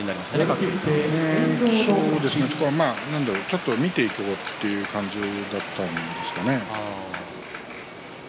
ちょっと見ていこうという感じだったんですかね。